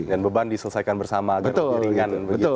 dan beban diselesaikan bersama agar lebih ringan